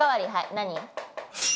何？